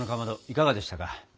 いかがでしたか？